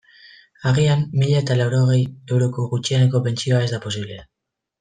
Agian mila eta laurogei euroko gutxieneko pentsioa ez da posible.